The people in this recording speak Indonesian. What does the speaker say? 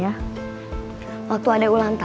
arman dengan rosa